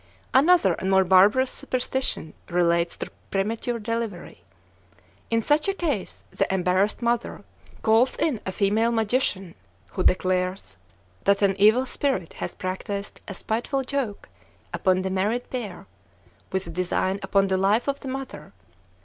Another and more barbarous superstition relates to premature delivery. In such a case the embarrassed mother calls in a female magician, who declares that an evil spirit has practised a spiteful joke upon the married pair, with a design upon the life of the mother.